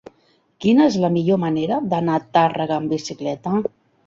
Quina és la millor manera d'anar a Tàrrega amb bicicleta?